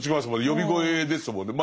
「呼び声」ですもんね。